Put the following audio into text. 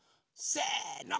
せの！